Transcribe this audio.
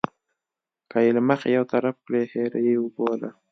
که یې له مخې یو طرفه کړي هېر یې بوله.